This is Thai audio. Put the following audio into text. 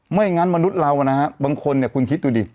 ไม่งั้นมนุษย์เรานะฮะบางคนเนี่ยคุณคิดดูดิ